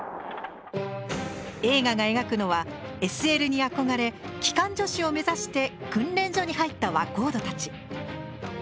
映画が描くのはＳＬに憧れ機関助士を目指して訓練所に入った若人たち。